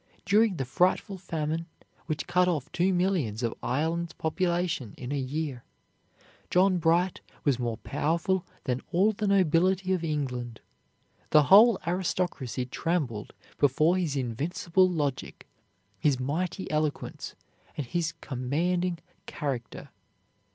During the frightful famine, which cut off two millions of Ireland's population in a year, John Bright was more powerful than all the nobility of England. The whole aristocracy trembled before his invincible logic, his mighty eloquence, and his commanding character.